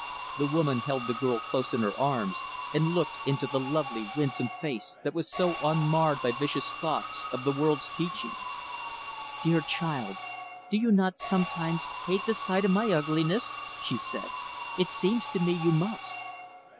The woman held the girl close in her arms and looked into the lovely, winsome face that was so unmarred by vicious thoughts of the world's teaching. "Dear child, do you not sometimes hate the sight of my ugliness?" she said. "It seems to me, you must."